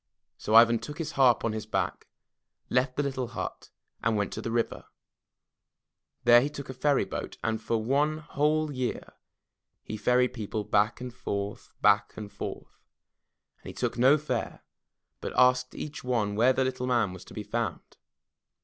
' So Ivan took his harp on his back, left the little hut and went to the river. There he took a ferry boat and for one whole year he ferried people back and forth, back and forth, and he took no fare, but asked each one where the Little Man was to be found.